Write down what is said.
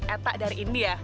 eta dari india